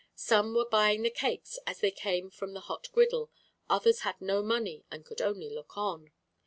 Some were buying the cakes as they came from the hot griddle; others had no money and could only look on.